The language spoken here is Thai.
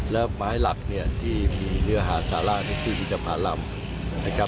และไม้หลักที่มีเนื้อหาสาระที่พิจารณาลำ